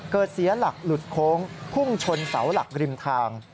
เสียหลักหลุดโค้งพุ่งชนเสาหลักริมทาง